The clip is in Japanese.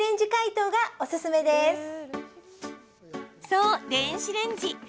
そう、電子レンジ。